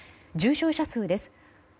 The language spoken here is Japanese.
重症者数です。